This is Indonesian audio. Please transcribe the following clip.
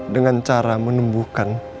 dengan cara menembuhkan